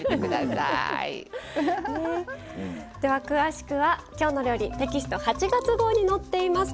詳しくは「きょうの料理」８月号に載っています。